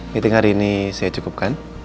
meeting hari ini saya cukupkan